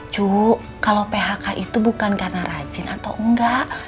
cuk kalau phk itu bukan karena rajin atau enggak